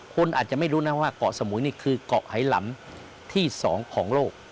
คนอาจจะไม่รู้นะว่าเกาะสมุยนี่คือเกาะไหลำที่๒ของโลก